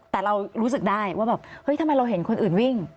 แต่เรารู้สึกได้ว่าแบบเฮ้ยทำไมเราเห็นคนอื่นวิ่ง